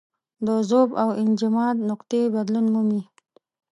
د ذوب او انجماد نقطې بدلون مومي.